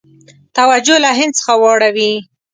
توجه له هند څخه واړوي.